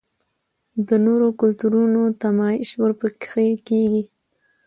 د نورو کلتورونو نمائش ورپکښې کـــــــــــــــــېږي